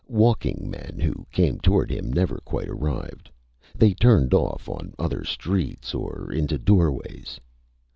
Walking men who came toward him never quite arrived. They turned off on other streets or into doorways.